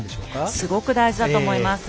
すごく大事だと思います。